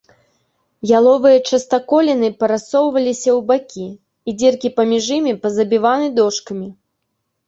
Яловыя частаколіны парассоўваліся ў бакі, і дзіркі паміж імі пазабіваны дошкамі.